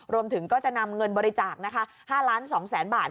รวมถึงก็จะนำเงินบริจาคนะคะ๕๒๐๐๐๐บาท